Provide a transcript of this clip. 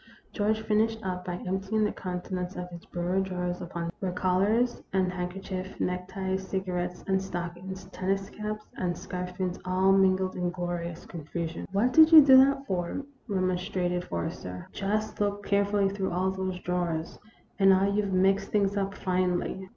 George finished up by emptying the contents of his bureau drawers upon the bed, where collars and THE ROMANCE OF A SPOON. 2OI handkerchiefs, neckties, cigarettes and stockings, tennis caps and scarf pins all mingled in glorious confusion. " What did you do that for ?" remonstrated For rester. "I had just looked carefully through all those drawers, and now you 've mixed things up finely."